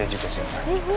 iya juga siap